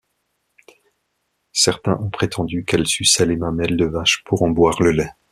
Certains ont prétendu qu'elle suçait les mamelles de vache pour en boire le lait.